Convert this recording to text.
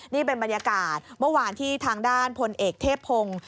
นี่เป็นบรรยากาศเมื่อวานที่ทางด้านพลเอกเทพพงศ์